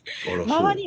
周り